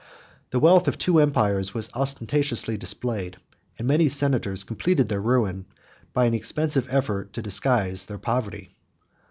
The wealth of two empires was ostentatiously displayed; and many senators completed their ruin, by an expensive effort to disguise their poverty.